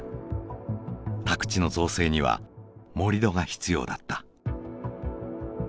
宅地の造成には盛り土が必要だった。